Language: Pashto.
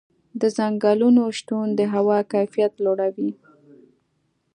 د ځنګلونو شتون د هوا کیفیت لوړوي.